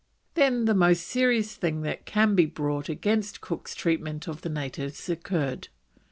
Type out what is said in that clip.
Then the most serious thing that can be brought against Cook's treatment of the natives occurred.